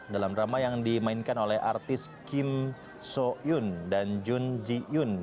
dalam drama yang dimainkan oleh artis kim so yun dan jun ji yun